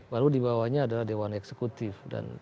lalu dibawahnya adalah dewan eksekutif